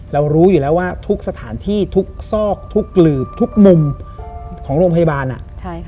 รู้อยู่แล้วว่าทุกสถานที่ทุกซอกทุกหลืบทุกมุมของโรงพยาบาลอ่ะใช่ค่ะ